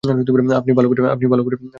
আপনি ভাল করেছেন।